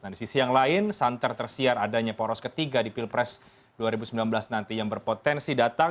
nah di sisi yang lain santer tersiar adanya poros ketiga di pilpres dua ribu sembilan belas nanti yang berpotensi datang